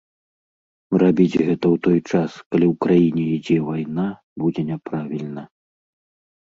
Рабіць гэта ў той час, калі ў краіне ідзе вайна, будзе няправільна.